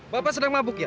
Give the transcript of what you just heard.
bapak sedang mabuk ya